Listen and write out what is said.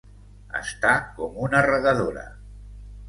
Estar com una regadora.